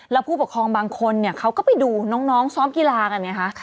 แล้วผู้ปกครองบางคนเขาก็ไปดูน้องซ้อมกีฬากันไงคะ